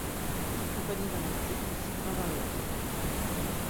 Accompagnés d'un article, ils sont invariables.